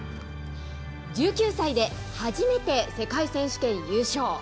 １９歳で初めて世界選手権優勝。